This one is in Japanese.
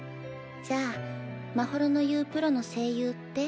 じゃあまほろの言うプロの声優って？